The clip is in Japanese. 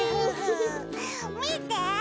みて！